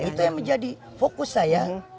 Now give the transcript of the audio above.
itu yang menjadi fokus saya